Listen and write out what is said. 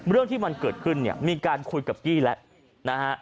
เรื่องที่มันเกิดขึ้นเนี่ยมีการคุยกับกี้แล้วนะฮะ